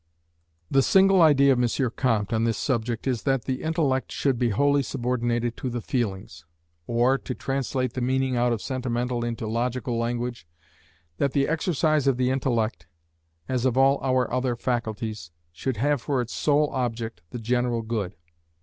The single idea of M. Comte, on this subject, is that the intellect should be wholly subordinated to the feelings; or, to translate the meaning out of sentimental into logical language, that the exercise of the intellect, as of all our other faculties, should have for its sole object the general good.